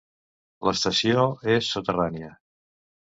L'estació és soterrània.